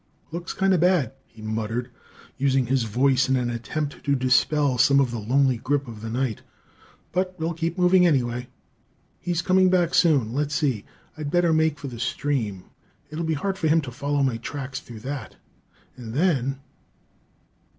"Looks kind of bad," he muttered, using his voice in an attempt to dispel some of the lonely grip of the night, "but we'll keep moving, anyway! He's coming back soon. Let's see: I'd better make for the stream. It'll be hard for him to follow my tracks through that. And then...."